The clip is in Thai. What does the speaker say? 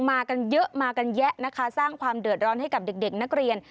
มากันเยอะมากันแยะนะคะสร้างความเดือดร้อนให้กับเด็กนักเรียน